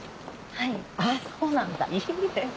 あっそうなんだいいね。